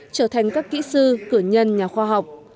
trở thành các kỹ sư cử nhân nhà khoa học